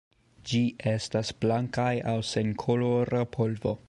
Ĝi estas blankaj aŭ senkolora polvo.